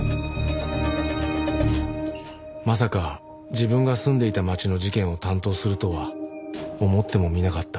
まさか自分が住んでいた街の事件を担当するとは思ってもみなかった